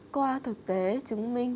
qua thực tế chứng minh